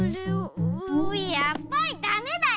やっぱりだめだよ！